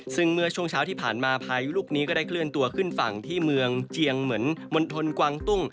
ซึ่งเมื่อช่วงเช้าที่ผ่านมาพายุลูกนี้ก็ได้เคลื่อนตัวขึ้นฝั่งที่เมืองเจียงเหมือนมณฑลกวางตุ้ง